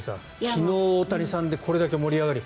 昨日、大谷さんでこれだけ盛り上がり